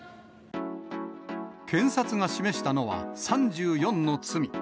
検察が示したのは、３４の罪。